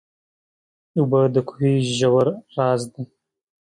اوبه د کوهي ژور راز دي.